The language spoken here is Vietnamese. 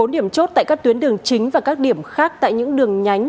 một mươi bốn điểm chốt tại các tuyến đường chính và các điểm khác tại những đường nhánh